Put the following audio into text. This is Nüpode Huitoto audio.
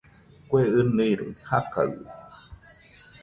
Kue ɨniroi jakaɨe